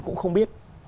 cũng không biết